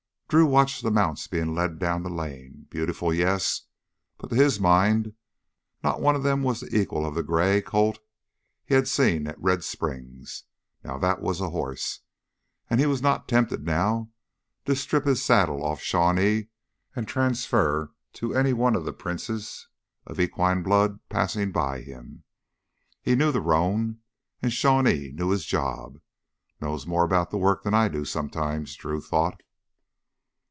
Drew watched the mounts being led down the lane. Beautiful, yes, but to his mind not one of them was the equal of the gray colt he had seen at Red Springs. Now that was a horse! And he was not tempted now to strip his saddle off Shawnee and transfer to any one of the princes of equine blood passing him by. He knew the roan, and Shawnee knew his job. Knows more about the work than I do sometimes, Drew thought.